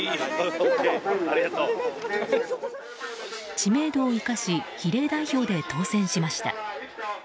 知名度を生かし比例代表で当選しました。